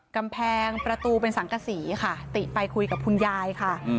กำแพงประตูเป็นสังกษีค่ะติไปคุยกับคุณยายค่ะ